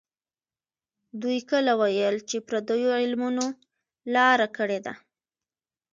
دوی کله ویل چې پردیو علمونو لاره کړې ده.